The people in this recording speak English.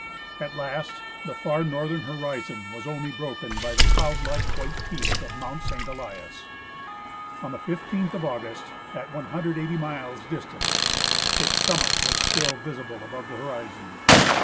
At last, the far northern horizon was only broken by the cloud like white peak of Mount St. Elias. On the 15th of August, at 180 miles' distance, its summit was still visible above the horizon.